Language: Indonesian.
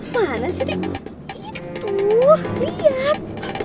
mana sih tika itu liat